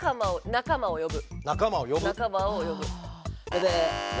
仲間を呼ぶ！